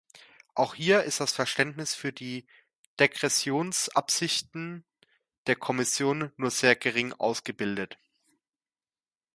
Auch hier ist das Verständnis für die Degressionsabsichten der Kommission nur sehr gering ausgebildet.